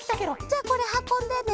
じゃあこれはこんでね。